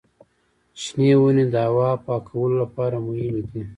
شنې ونې د هوا پاکولو لپاره مهمې دي.